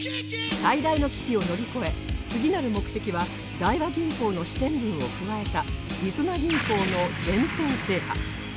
最大の危機を乗り越え次なる目的は大和銀行の支店名を加えたりそな銀行の全店制覇